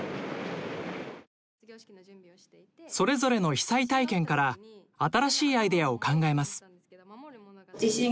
それぞれの被災体験から新しいアイデアを考えます。